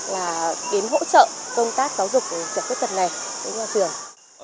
là đến hỗ trợ công tác giáo dục của trẻ khuyết tật này đến nhà trường